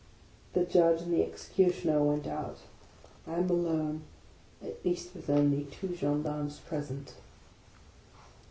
The Judge and the Executioner went out. I am alone, — at least with only two gendarmes present.